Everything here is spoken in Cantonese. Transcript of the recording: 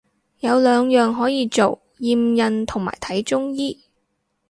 有兩樣可以做，驗孕同埋睇中醫